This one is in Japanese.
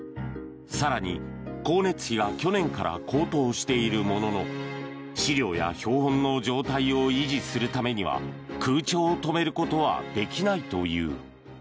更に光熱費が去年から高騰しているものの資料や標本の状態を維持するためには空調を止めることはできないという。